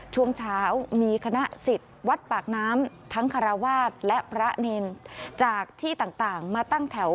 ช่วงเช้ามีคณะสิทธิ์วัดปากน้ำทั้งคาราวาสและพระเนรจากที่ต่างมาตั้งแถว